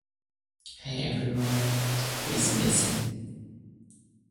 Higher than normal doses are often administered to prevent recurrence.